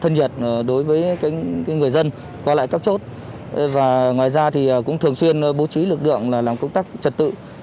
ngoài ra cũng thường xuyên bố trí lực lượng làm công tác trật tự